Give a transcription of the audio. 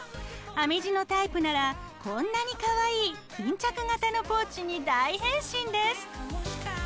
編み地のタイプならこんなにかわいい巾着型のポーチに大変身です。